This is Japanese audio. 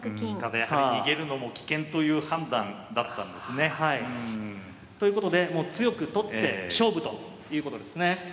やっぱり逃げるのも危険という判断だったんですね。ということでもう強く取って勝負ということですね。